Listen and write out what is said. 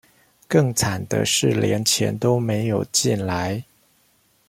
更慘的是連錢都沒有進來